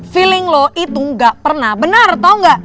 feeling lo itu gak pernah benar tau gak